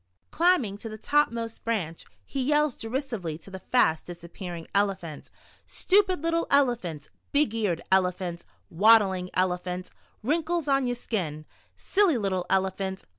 Climbing to the top most branch, he yells derisively to the fast disap pearing Elephant :" Stupid little Elephant, Big eared Elephant, Waddling Elephant, Wrinkles on yer skin, Silly little Elephant.